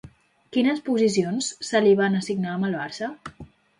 Quines posicions se li van assignar amb el Barça?